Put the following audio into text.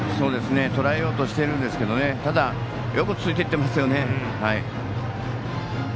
とらえようとしているんですけどただ、よくついていってますね。